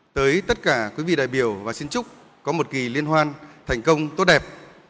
tới tất cả quý vị đại biểu và xin chúc có một kỳ liên hoan thành công tốt đẹp